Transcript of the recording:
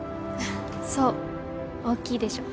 そう大きいでしょ？